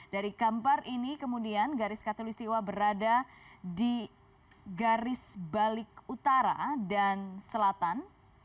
dari gambar ini kemudian garis katolistiwa berada di garis balik utara dan selatan